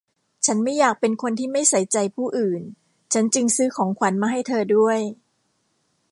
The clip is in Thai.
ฉันไม่อยากเป็นคนที่ไม่ใส่ใจผู้อื่น ฉันจึงซื้อของขวัญมาให้เธอด้วย